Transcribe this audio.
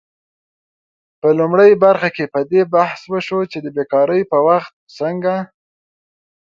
په لومړۍ برخه کې په دې بحث وشو چې د بیکارۍ په وخت څنګه